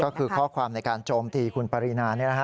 ก็คือข้อความในการโจมตีคุณปรินา